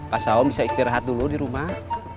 pas awam bisa istirahat dulu di rumah